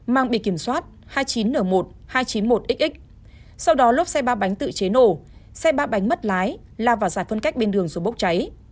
mang bị kiểm soát hai mươi chín n một hai trăm chín mươi một xx sau đó lốp xe ba bánh tự chế nổ xe ba bánh mất lái lao vào giải phân cách bên đường rồi bốc cháy